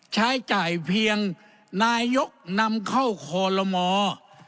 ใช้จ่ายเพียงนายยกนำเข้าโคลมิตร